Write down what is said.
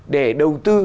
để đầu tư